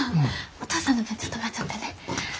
お父さんの分ちょっと待ちよってね。